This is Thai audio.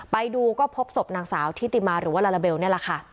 ไปดูก็พบศพนางสาวทิติมาหรือว่าลาลาเบลนี่แหละค่ะ